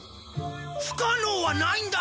不可能はないんだろ？